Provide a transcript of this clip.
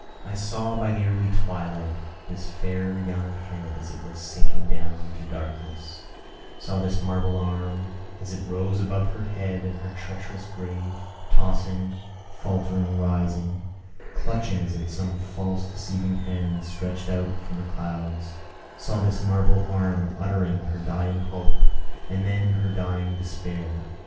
I saw by the early twilight this fair young head, as it was sinking down to darkness saw this marble arm, as it rose above her head and her treacherous grave, tossing, faultering, rising, clutching as at some false deceiving hand stretched out from the clouds saw this marble arm uttering her dying hope, and then her dying despair.